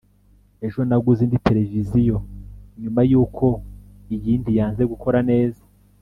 ejo naguze indi tereviziyo nyuma y'uko iyindi yanze gukora neza